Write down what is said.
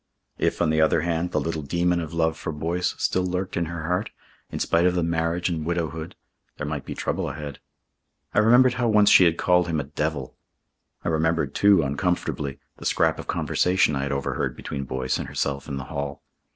If, on the other hand, the little demon of love for Boyce still lurked in her heart, in spite of the marriage and widowhood, there might be trouble ahead. I remembered how once she had called him a devil. I remembered, too, uncomfortably, the scrap of conversation I had overheard between Boyce and herself in the hall.